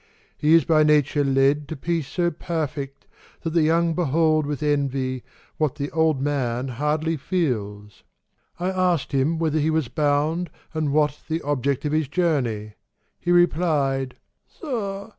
He is by nature led To peace so perfect, that the young behold With envy, what the old man hardly feels. —I asked him whither he was bound, and what The object of his journey; he replied "Sir!